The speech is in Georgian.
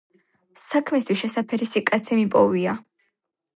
საქმისთვის შესაფერისი კაცი მიპოვია!